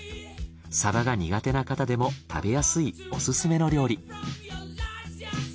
サバが苦手な方でも食べやすいオススメの料理。